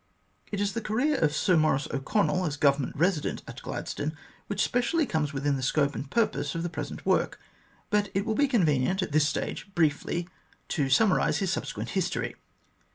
It is the career of Sir Maurice O'Connell, as Government Eesident at Gladstone, that specially comes within the scope and purpose of the present work, but it will be convenient at this stage briefly to summarise his subsequent history.